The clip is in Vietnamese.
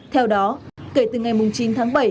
theo đó kể từ ngày chín tháng bảy